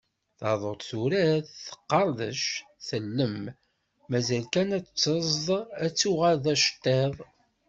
Taduḍt, turad; teqqerdec; tellem. Mazal kan ad tt-teẓḍ, ad tuɣal d tacettiḍt.